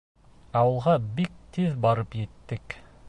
Ауылға бик тиҙ барып еттек.